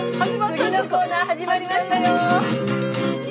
次のコーナー始まりましたよ。